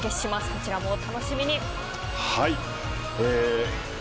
こちらもお楽しみに。